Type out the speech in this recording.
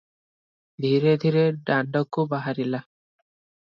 ଧୀରେ ଧୀରେ ଦାଣ୍ଡକୁ ବାହାରିଲା ।